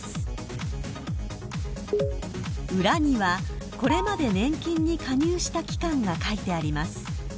［裏にはこれまで年金に加入した期間が書いてあります］